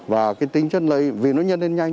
và cái tính chất lây vì nó nhân lên nhanh